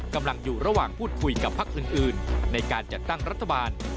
กำลังอยู่ระหว่างพูดคุยกับพักอื่นในการจัดตั้งรัฐบาล